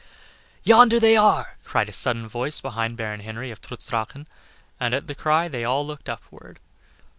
"Yonder they are," cried a sudden voice behind Baron Henry of Trutz Drachen, and at the cry all looked upward.